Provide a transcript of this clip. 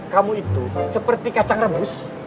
kamu itu seperti kacang rebus